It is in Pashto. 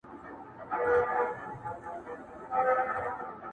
ویل چي آصل یم تر نورو موږکانو،